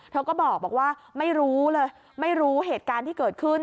เธอก็บอกว่าไม่รู้เลยไม่รู้เหตุการณ์ที่เกิดขึ้น